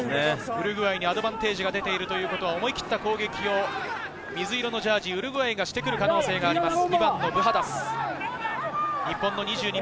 ウルグアイにアドバンテージで出ているということは、思い切った攻撃をウルグアイがしてくる可能性があります。